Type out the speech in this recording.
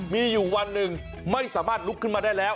มีอยู่วันหนึ่งไม่สามารถลุกขึ้นมาได้แล้ว